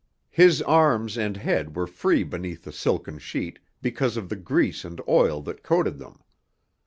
His arms and head were free beneath the silken sheet because of the grease and oil that coated them.